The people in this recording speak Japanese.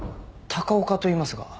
高岡といいますが。